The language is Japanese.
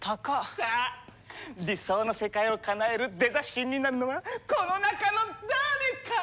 さあ理想の世界をかなえるデザ神になるのはこの中の誰か！？